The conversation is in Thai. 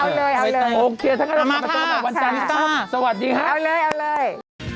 เอาเลยเอาเลยโอเคเชียรับทุกคนขอบคุณค่ะวันจันทร์สวัสดีครับเอาเลยเอาเลย